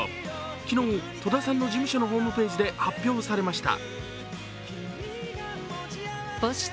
昨日、戸田さんの事務所のホームページで発表されました。